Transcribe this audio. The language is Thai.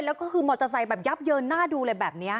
แล้วคือมอเตอร์ไซค์ยับเยินหน้าดูอะไรแบบนี้